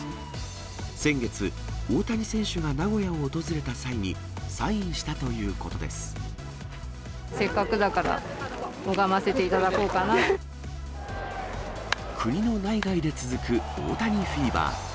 先月、大谷選手が名古屋を訪れたせっかくだから、国の内外で続く大谷フィーバー。